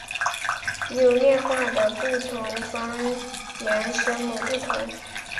优念话的不同方言声母不同。